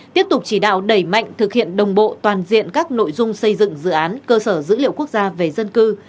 tiếp tục chỉ đạo đẩy mạnh thực hiện đồng bộ toàn diện các nội dung xây dựng dự án cơ sở dữ liệu quốc gia về dân cư